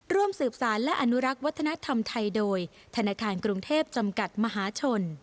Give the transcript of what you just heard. ร่วมสืบสารและอนุรักษ์วัฒนธรรมไทยโดยธนาคารกรุงเทพจำกัดมหาชน